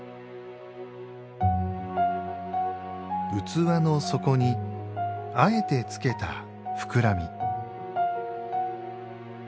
器の底にあえてつけたふくらみ。